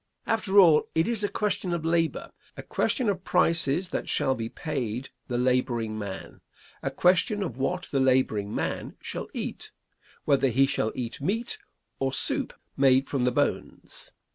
After all, it is a question of labor; a question of prices that shall be paid the laboring man; a question of what the laboring man shall eat; whether he shall eat meat or soup made from the bones.